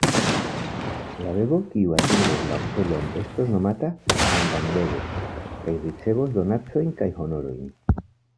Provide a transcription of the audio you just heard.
La bebo, kiu atingos la celon estos nomata "Angam-bebo" kaj ricevos donacojn kaj honorojn.